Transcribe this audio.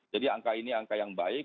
jadi angka ini angka yang baik